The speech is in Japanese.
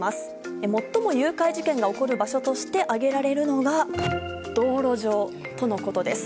最も誘拐事件が起こる場所として挙げられるのが道路上とのことです。